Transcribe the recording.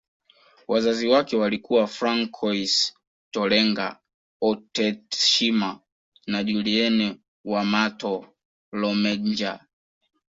Wazazi wake walikuwa Francois Tolenga Otetshima na Julienne Wamato Lomendja